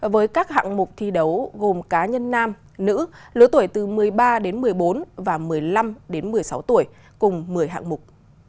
với các hạng mục thi đấu gồm cá nhân nam nữ lứa tuổi từ một mươi ba đến một mươi bốn và một mươi năm đến một mươi sáu tuổi cùng một mươi hạng mục